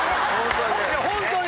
ホントに。